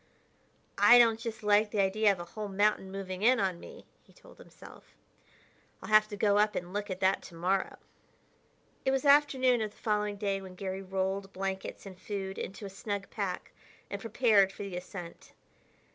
"I don't just like the idea of the whole mountain moving in on me," he told himself; "I'll have to go up and look at that to morrow." It was afternoon of the following day when Garry rolled blankets and food into a snug pack and prepared for the ascent.